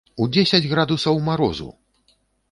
У дзесяць градусаў марозу!